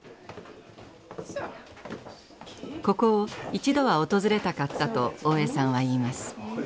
ここを一度は訪れたかったと大江さんは言います。